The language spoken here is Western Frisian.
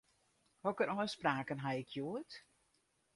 Hokker ôfspraken haw ik hjoed?